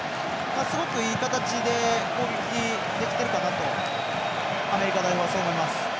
すごく、いい形で攻撃できてるかなとアメリカ代表はそう思います。